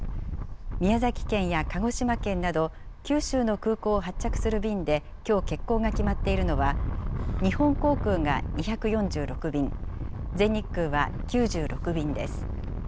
宮崎県や鹿児島県など九州の空港を発着する便できょう欠航が決まっているのは、日本航空が２４６便、全日空は９６便です。